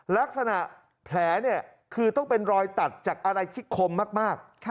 ลักษณะแผลเนี่ยคือต้องเป็นรอยตัดจากอะไรที่คมมาก